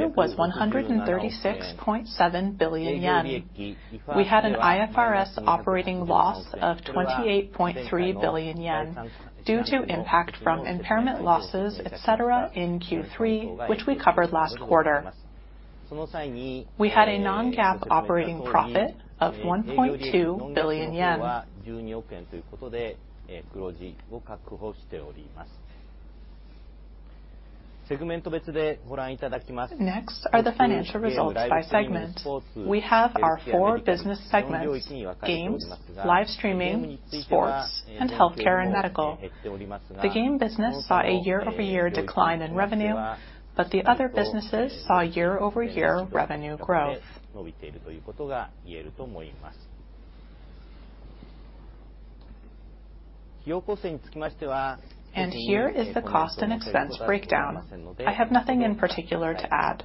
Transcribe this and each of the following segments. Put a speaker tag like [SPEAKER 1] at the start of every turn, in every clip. [SPEAKER 1] Revenue was 136.7 billion yen. We had an IFRS operating loss of 28.3 billion yen, due to impact from impairment losses, et cetera, in Q3, which we covered last quarter. We had a non-GAAP operating profit of JPY 1.2 billion. Next are the financial results by segment. We have our four business segments: games, live streaming, sports, and healthcare and medical. The game business saw a year-over-year decline in revenue, but the other businesses saw year-over-year revenue growth. Here is the cost and expense breakdown. I have nothing in particular to add.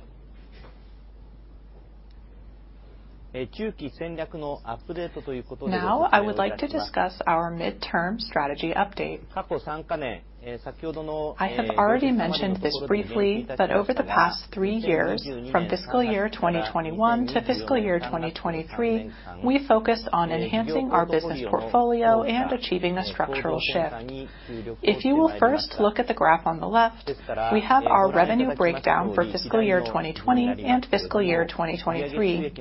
[SPEAKER 1] Now, I would like to discuss our midterm strategy update. I have already mentioned this briefly, that over the past three years, from fiscal year 2021 to fiscal year 2023, we focused on enhancing our business portfolio and achieving a structural shift. If you will first look at the graph on the left, we have our revenue breakdown for fiscal year 2020 and fiscal year 2023.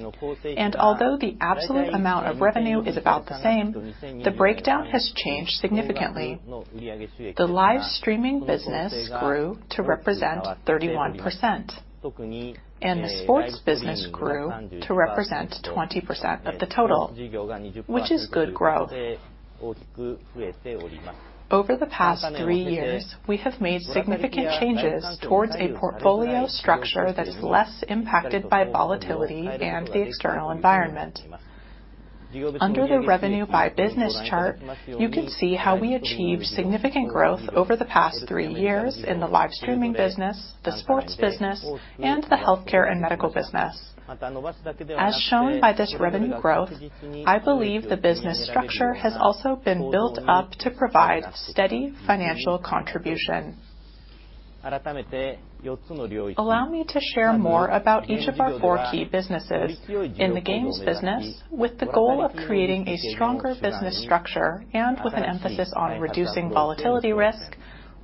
[SPEAKER 1] Although the absolute amount of revenue is about the same, the breakdown has changed significantly. The live streaming business grew to represent 31%, and the sports business grew to represent 20% of the total, which is good growth. Over the past 3 years, we have made significant changes towards a portfolio structure that is less impacted by volatility and the external environment. Under the revenue by business chart, you can see how we achieved significant growth over the past 3 years in the live streaming business, the sports business, and the healthcare and medical business. As shown by this revenue growth, I believe the business structure has also been built up to provide steady financial contribution. Allow me to share more about each of our 4 key businesses. In the games business, with the goal of creating a stronger business structure and with an emphasis on reducing volatility risk,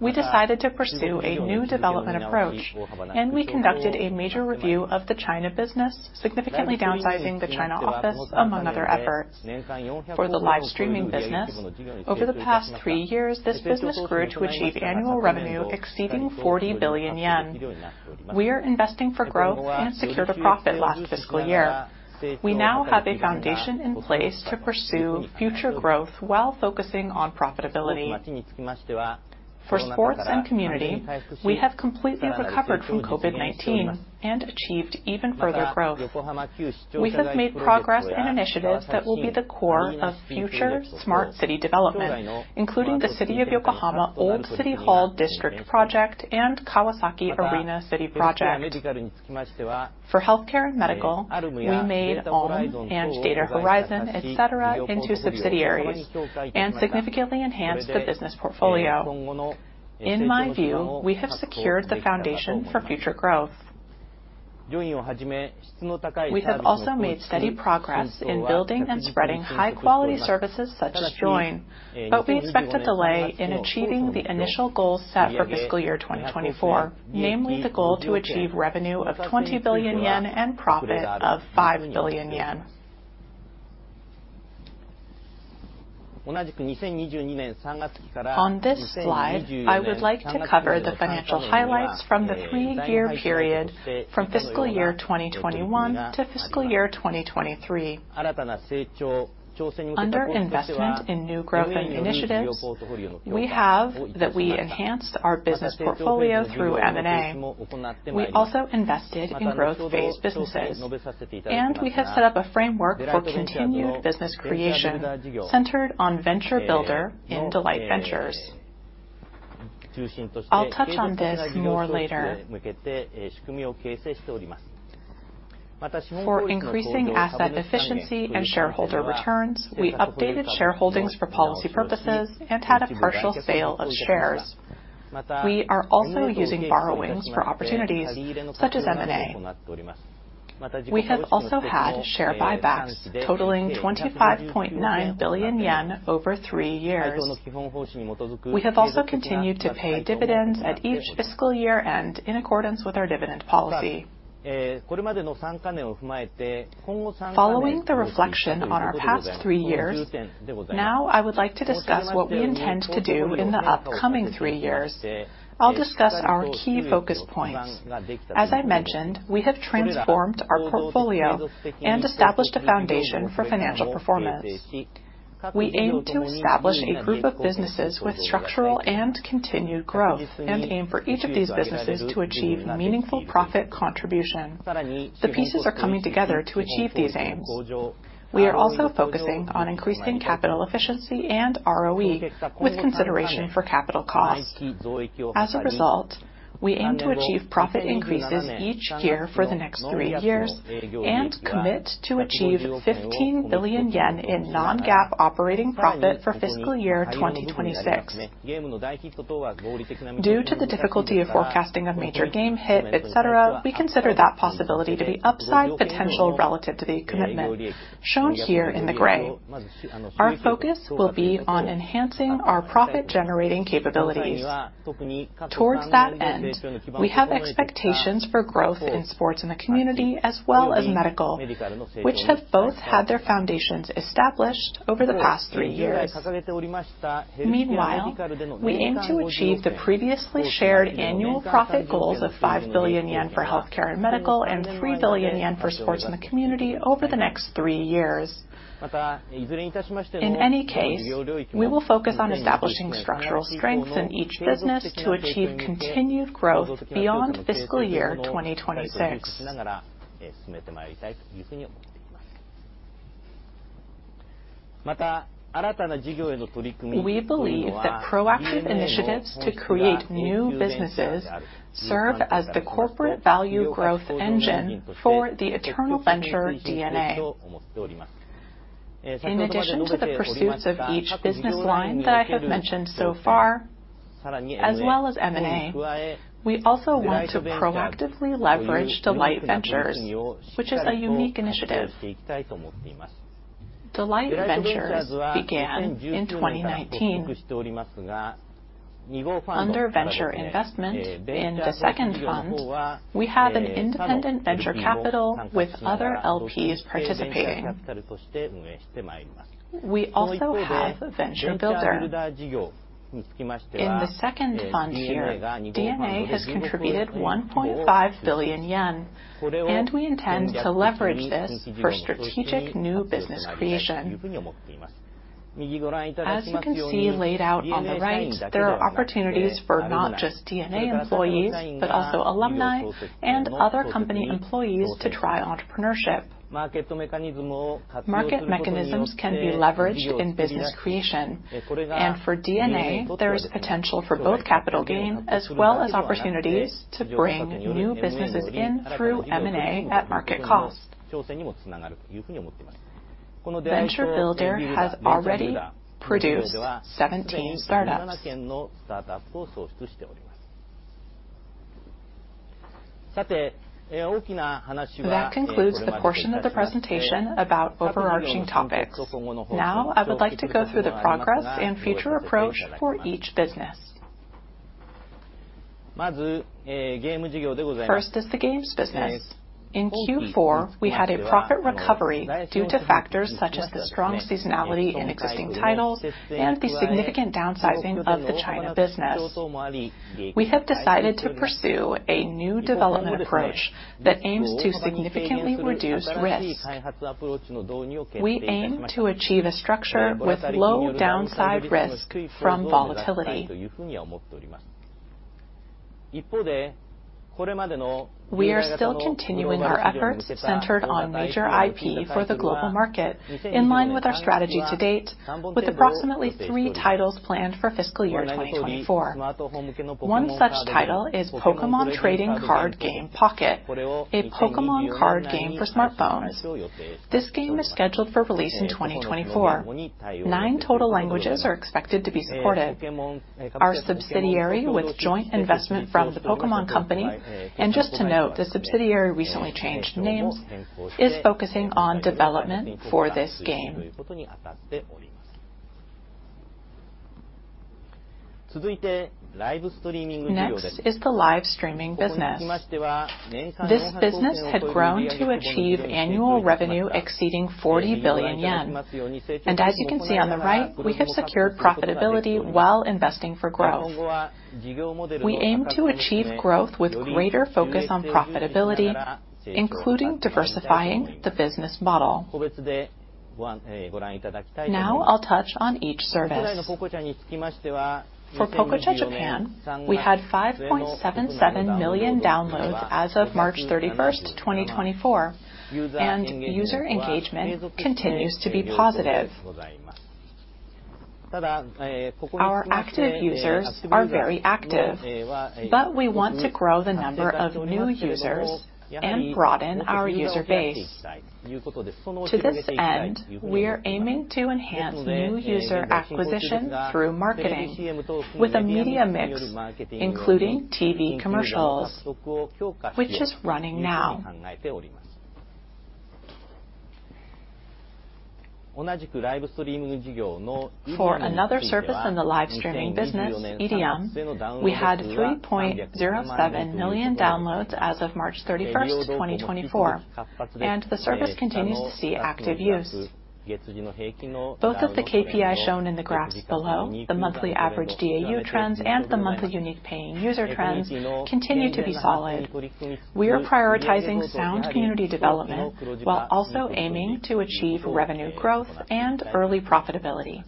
[SPEAKER 1] we decided to pursue a new development approach, and we conducted a major review of the China business, significantly downsizing the China office, among other efforts. For the live streaming business, over the past 3 years, this business grew to achieve annual revenue exceeding 40 billion yen. We are investing for growth and secured a profit last fiscal year. We now have a foundation in place to pursue future growth while focusing on profitability. For sports and community, we have completely recovered from COVID-19 and achieved even further growth. We have made progress in initiatives that will be the core of future smart city development, including the City of Yokohama Old City Hall District Project and Kawasaki Arena City Project. For healthcare and medical, we made Allm and Data Horizon, et cetera, into subsidiaries, and significantly enhanced the business portfolio. In my view, we have secured the foundation for future growth. We have also made steady progress in building and spreading high-quality services, such as JOIN, but we expect a delay in achieving the initial goal set for fiscal year 2024, namely the goal to achieve revenue of 20 billion yen and profit of 5 billion yen. On this slide, I would like to cover the financial highlights from the three-year period from fiscal year 2021 to fiscal year 2023. Under investment in new growth and initiatives, we have enhanced our business portfolio through M&A. We also invested in growth-phase businesses, and we have set up a framework for continued business creation, centered on Venture Builder in Delight Ventures. I'll touch on this more later. For increasing asset efficiency and shareholder returns, we updated shareholdings for policy purposes and had a partial sale of shares. We are also using borrowings for opportunities such as M&A. We have also had share buybacks totaling 25.9 billion yen over three years. We have also continued to pay dividends at each fiscal year-end, in accordance with our dividend policy. Following the reflection on our past three years, now I would like to discuss what we intend to do in the upcoming three years. I'll discuss our key focus points. As I mentioned, we have transformed our portfolio and established a foundation for financial performance. We aim to establish a group of businesses with structural and continued growth, and aim for each of these businesses to achieve meaningful profit contribution. The pieces are coming together to achieve these aims. We are also focusing on increasing capital efficiency and ROE, with consideration for capital cost. As a result, we aim to achieve profit increases each year for the next three years, and commit to achieve 15 billion yen in non-GAAP operating profit for fiscal year 2026. Due to the difficulty of forecasting a major game hit, et cetera, we consider that possibility to be upside potential relative to the commitment, shown here in the gray. Our focus will be on enhancing our profit-generating capabilities. Towards that end, we have expectations for growth in sports in the community, as well as medical, which have both had their foundations established over the past three years. Meanwhile, we aim to achieve the previously shared annual profit goals of 5 billion yen for healthcare and medical, and 3 billion yen for sports in the community over the next three years. In any case, we will focus on establishing structural strengths in each business to achieve continued growth beyond fiscal year 2026. We believe that proactive initiatives to create new businesses serve as the corporate value growth engine for the eternal venture DNA. In addition to the pursuits of each business line that I have mentioned so far, as well as M&A, we also want to proactively leverage Delight Ventures, which is a unique initiative. Delight Ventures began in 2019. Under venture investment in the second fund, we have an independent venture capital with other LPs participating. We also have Venture Builder. In the second fund here, DeNA has contributed 1.5 billion yen, and we intend to leverage this for strategic new business creation. As you can see laid out on the right, there are opportunities for not just DeNA employees, but also alumni and other company employees to try entrepreneurship. Market mechanisms can be leveraged in business creation, and for DeNA, there is potential for both capital gain, as well as opportunities to bring new businesses in through M&A at market cost. Venture Builder has already produced 17 startups. That concludes the portion of the presentation about overarching topics. Now, I would like to go through the progress and future approach for each business. First is the games business. In Q4, we had a profit recovery due to factors such as the strong seasonality in existing titles and the significant downsizing of the China business. We have decided to pursue a new development approach that aims to significantly reduce risk. We aim to achieve a structure with low downside risk from volatility. We are still continuing our efforts centered on major IP for the global market, in line with our strategy to date, with approximately three titles planned for fiscal year 2024. One such title is Pokémon Trading Card Game Pocket, a Pokémon card game for smartphones. This game is scheduled for release in 2024. Nine total languages are expected to be supported. Our subsidiary, with joint investment from The Pokémon Company, and just to note, the subsidiary recently changed names, is focusing on development for this game. Next is the live streaming business. This business had grown to achieve annual revenue exceeding 40 billion yen, and as you can see on the right, we have secured profitability while investing for growth. We aim to achieve growth with greater focus on profitability, including diversifying the business model. Now, I'll touch on each service. For Pococha Japan, we had 5.77 million downloads as of March 31st, 2024, and user engagement continues to be positive. Our active users are very active, but we want to grow the number of new users and broaden our user base. To this end, we are aiming to enhance new user acquisition through marketing with a media mix, including TV commercials, which is running now. For another service in the live streaming business, IRIAM, we had 3.07 million downloads as of March 31st, 2024, and the service continues to see active use. Both of the KPIs shown in the graph below, the monthly average DAU trends and the monthly unique paying user trends, continue to be solid. We are prioritizing sound community development, while also aiming to achieve revenue growth and early profitability.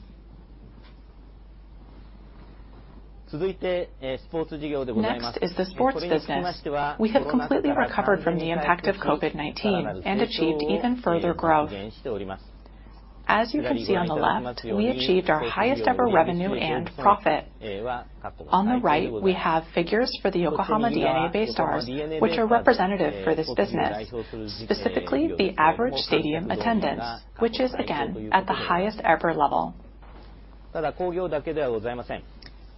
[SPEAKER 1] Next is the sports business. We have completely recovered from the impact of COVID-19 and achieved even further growth. As you can see on the left, we achieved our highest ever revenue and profit. On the right, we have figures for the Yokohama DeNA BayStars, which are representative for this business, specifically, the average stadium attendance, which is again, at the highest ever level.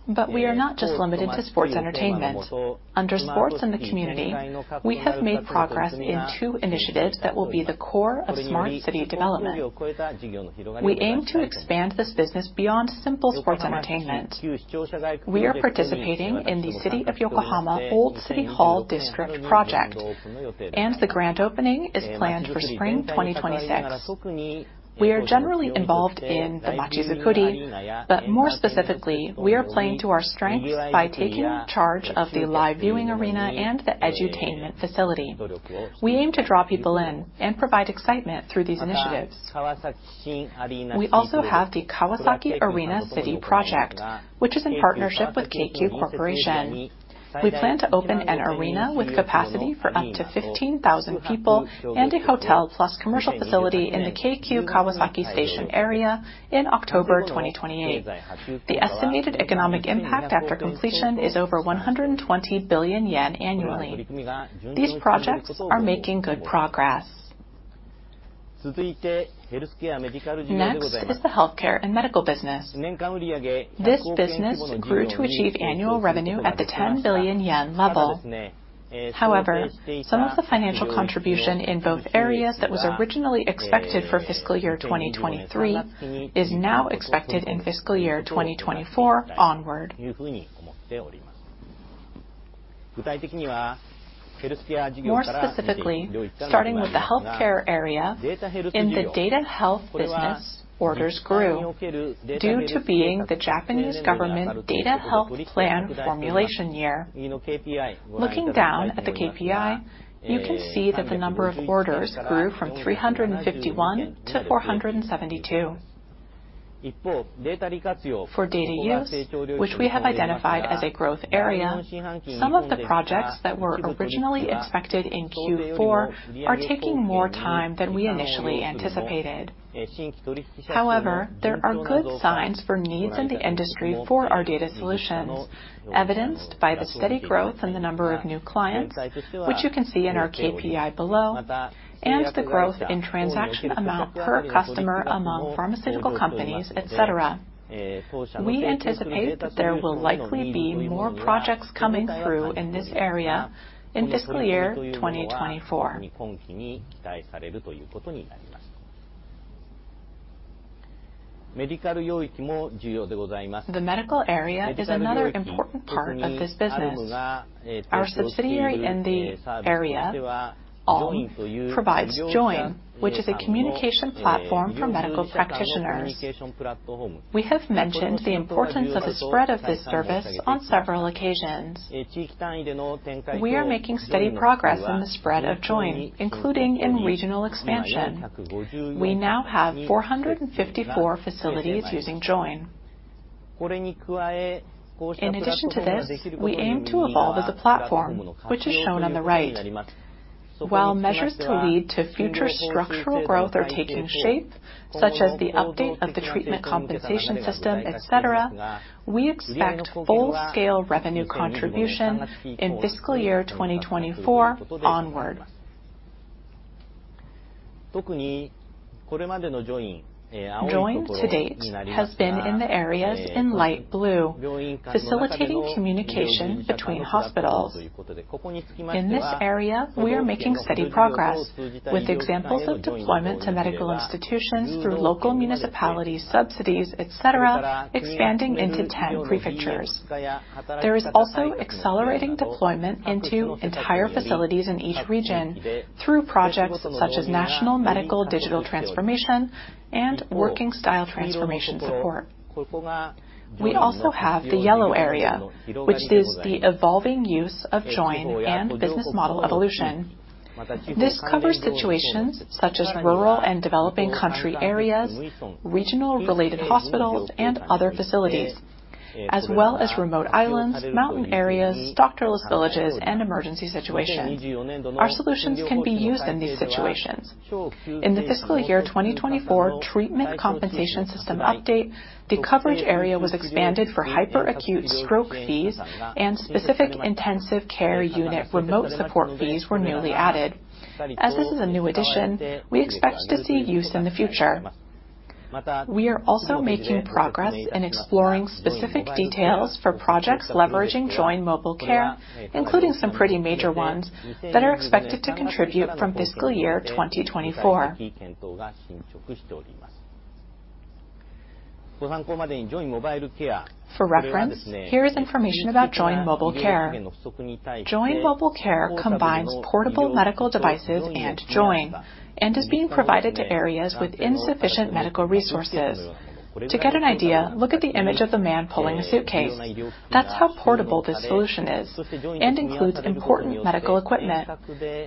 [SPEAKER 1] But we are not just limited to sports entertainment. Under sports and the community, we have made progress in two initiatives that will be the core of smart city development. We aim to expand this business beyond simple sports entertainment. However, some of the financial contribution in both areas that was originally expected for fiscal year 2023 is now expected in fiscal year 2024 onward. More specifically, starting with the healthcare area, in the data health business, orders grew due to being the Japanese government Data Health Plan formulation year. Looking down at the KPI, you can see that the number of orders grew from 351 to 472. For data use, which we have identified as a growth area, some of the projects that were originally expected in Q4 are taking more time than we initially anticipated. However, there are good signs for needs in the industry for our data solutions, evidenced by the steady growth in the number of new clients, which you can see in our KPI below, and the growth in transaction amount per customer among pharmaceutical companies, et cetera. We anticipate that there will likely be more projects coming through in this area in fiscal year 2024. The medical area is another important part of this business. Our subsidiary in the area, Allm, provides JOIN, which is a communication platform for medical practitioners. We have mentioned the importance of the spread of this service on several occasions. We are making steady progress in the spread of JOIN, including in regional expansion. We now have 454 facilities using JOIN. In addition to this, we aim to evolve as a platform, which is shown on the right. While measures to lead to future structural growth are taking shape, such as the update of the treatment compensation system, et cetera, we expect full-scale revenue contribution in fiscal year 2024 onward. JOIN to date has been in the areas in light blue, facilitating communication between hospitals. In this area, we are making steady progress, with examples of deployment to medical institutions through local municipality subsidies, et cetera, expanding into 10 prefectures. There is also accelerating deployment into entire facilities in each region through projects such as National Medical Digital Transformation and Working Style Transformation Support. We also have the yellow area, which is the evolving use of JOIN and business model evolution. This covers situations such as rural and developing country areas, regional related hospitals and other facilities, as well as remote islands, mountain areas, doctor-less villages, and emergency situations. Our solutions can be used in these situations. In the fiscal year 2024 treatment compensation system update, the coverage area was expanded for hyperacute stroke fees and specific intensive care unit remote support fees were newly added. As this is a new addition, we expect to see use in the future. We are also making progress in exploring specific details for projects leveraging JOIN Mobile Care, including some pretty major ones that are expected to contribute from fiscal year 2024. For reference, here is information about JOIN Mobile Care. JOIN Mobile Care combines portable medical devices and JOIN, and is being provided to areas with insufficient medical resources. To get an idea, look at the image of the man pulling the suitcase. That's how portable this solution is and includes important medical equipment.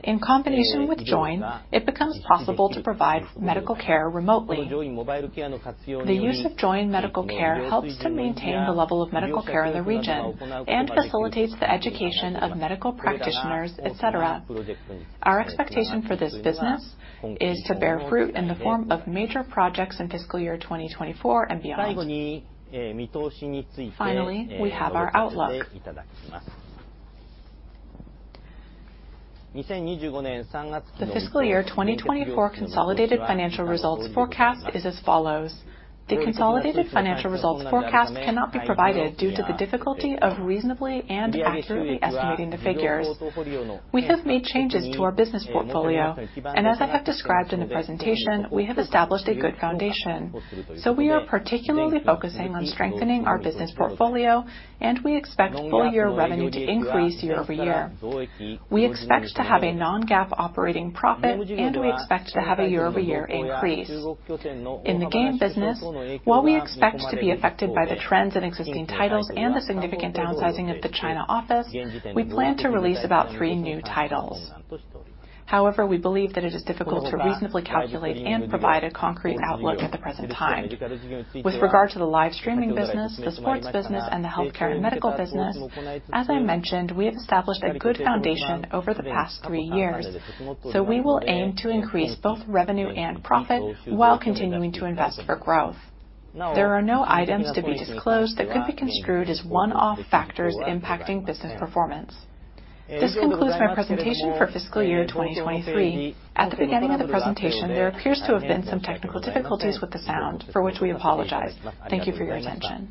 [SPEAKER 1] In combination with JOIN, it becomes possible to provide medical care remotely. The use of JOIN Mobile Care helps to maintain the level of medical care in the region and facilitates the education of medical practitioners, et cetera. Our expectation for this business is to bear fruit in the form of major projects in fiscal year 2024 and beyond. Finally, we have our outlook. The fiscal year 2024 consolidated financial results forecast is as follows: The consolidated financial results forecast cannot be provided due to the difficulty of reasonably and accurately estimating the figures. We have made changes to our business portfolio, and as I have described in the presentation, we have established a good foundation. So we are particularly focusing on strengthening our business portfolio, and we expect full year revenue to increase year-over-year. We expect to have a non-GAAP operating profit, and we expect to have a year-over-year increase. In the game business, while we expect to be affected by the trends in existing titles and the significant downsizing of the China office, we plan to release about three new titles. However, we believe that it is difficult to reasonably calculate and provide a concrete outlook at the present time. With regard to the live streaming business, the sports business, and the healthcare and medical business, as I mentioned, we have established a good foundation over the past three years, so we will aim to increase both revenue and profit while continuing to invest for growth. There are no items to be disclosed that could be construed as one-off factors impacting business performance. This concludes my presentation for fiscal year 2023. At the beginning of the presentation, there appears to have been some technical difficulties with the sound, for which we apologize. Thank you for your attention.